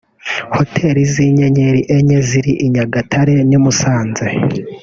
hoteli z’inyenyeri enye ziri i Nyagatare n’i Musanze